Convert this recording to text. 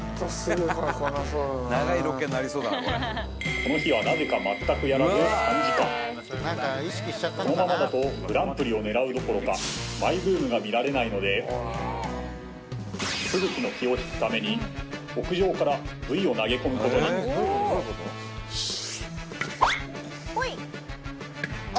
この日はなぜかこのままだとグランプリを狙うどころかマイブームが見られないのでフブキの気を引くために屋上からブイを投げ込むことにあ！